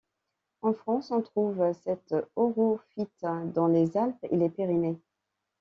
En France on trouve cet orophyte dans les Alpes et les Pyrénées.